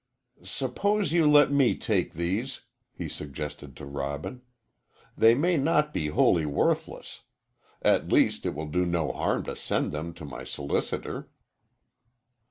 "Suppose you let me take these," he suggested to Robin. "They may not be wholly worthless. At least, it will do no harm to send them to my solicitor."